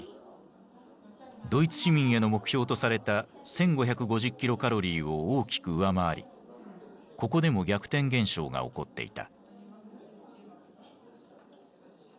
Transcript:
ドイツ市民への目標とされた１，５５０キロカロリーを大きく上回りここでも逆転現象が起こっていた。